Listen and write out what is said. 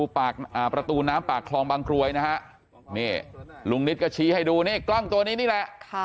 ประตูน้ำปากคลองบางกรวยนะฮะนี่ลุงนิดก็ชี้ให้ดูนี่กล้องตัวนี้นี่แหละ